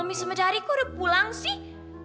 mami semejari kok udah pulang sih